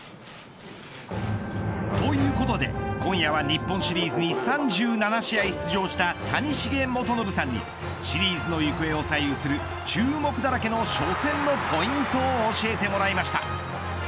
ということで今夜は日本シリーズに３７試合出場した谷繁元信さんにシリーズの行方を左右する注目だらけの初戦のポイントを教えてもらいました。